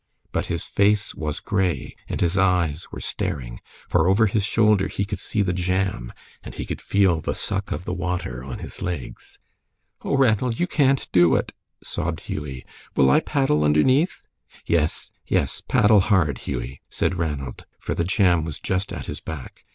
But his face was gray and his eyes were staring, for over his shoulder he could see the jam and he could feel the suck of the water on his legs. "Oh, Ranald, you can't do it," sobbed Hughie. "Will I paddle underneath?" "Yes, yes, paddle hard, Hughie," said Ranald, for the jam was just at his back.